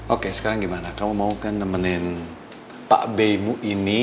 oke sekarang gimana kamu mau kan nemenin pak bemu ini